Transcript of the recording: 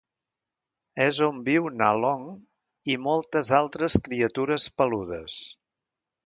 És on viu Nalong i moltes altres criatures peludes.